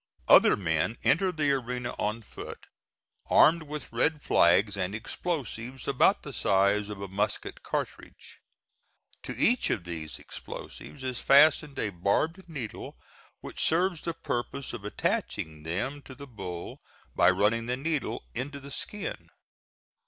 Other men enter the arena on foot, armed with red flags and explosives about the size of a musket cartridge. To each of these explosives is fastened a barbed needle which serves the purpose of attaching them to the bull by running the needle into the skin.